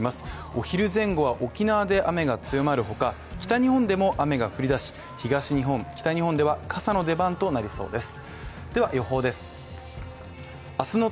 お昼前後は沖縄で雨が強まる他、北日本でも雨が降り出し、東日本北日本では傘の出番となりそうです。